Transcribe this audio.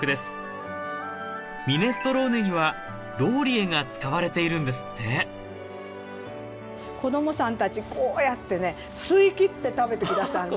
ミネストローネにはローリエが使われているんですって子供さんたちこうやってね吸いきって食べて下さるの。